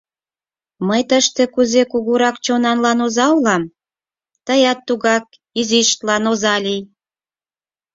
— Мый тыште кузе кугурак чонанлан оза улам, тыят тугак изиштлан оза лий!